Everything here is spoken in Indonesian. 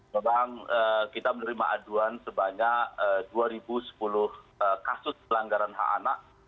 memang kita menerima aduan sebanyak dua sepuluh kasus pelanggaran hak anak